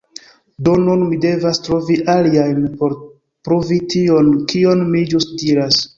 Do nun mi devas trovi aliajn por pruvi tion kion mi ĵus diras.